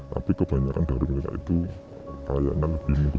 tapi kebanyakan dari mereka itu lebih mungkuk mungkuk lebih ke ekstrim